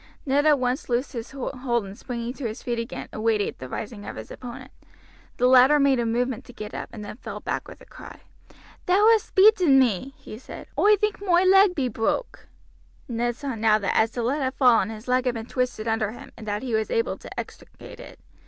Ned at once loosened his hold, and springing to his feet again, awaited the rising of his opponent. The latter made a movement to get up, and then fell back with a cry. "Thou hast beaten me," he said. "Oi think moi leg be broke." Ned saw now that as the lad had fallen his leg had been twisted under him, and that he was unable to extricate it.